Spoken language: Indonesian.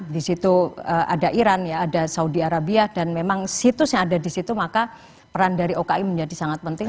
di situ ada iran ada saudi arabia dan memang situsnya ada di situ maka peran dari oki menjadi sangat penting